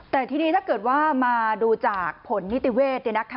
แต่ทีนี้ถ้าเกิดว่ามาดูจากผลนิติเวศ